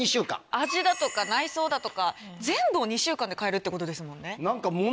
味だとか内装だとか全部を２週間で変えるってことですもんね？